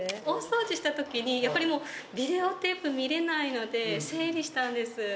大掃除したときに、やっぱりもう、ビデオテープ見れないので、整理したんです。